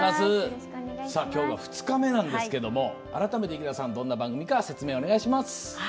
きょうが２日目なんですけれども改めて、どんな番組か説明をお願いします。